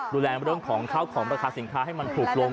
ดูแลเรื่องของข้าวของราคาสินค้าให้มันถูกลง